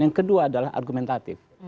yang kedua adalah argumentatif